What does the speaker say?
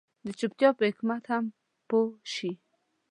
د چوپتيا په حکمت هم پوه شي.